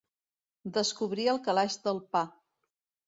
Descobrir el calaix del pa.